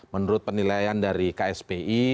menurut penilaian dari kspi